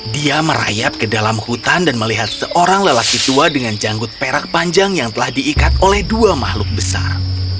dia merayap ke dalam hutan dan melihat seorang lelaki tua dengan janggut perak panjang yang telah diikat oleh dua makhluk besar